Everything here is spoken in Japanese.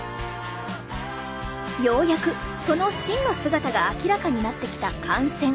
ようやくその真の姿が明らかになってきた汗腺。